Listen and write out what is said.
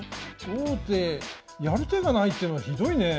王手やる手がないってのはひどいねえ。